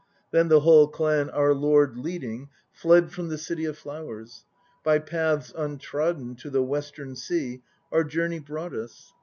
Then the whole clan IKUTA 49 Our lord leading Fled from the City of Flowers. By paths untrodden To the Western Sea our journey brought us.